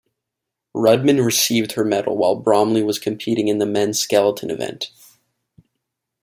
Rudman received her medal while Bromley was competing in the men's skeleton event.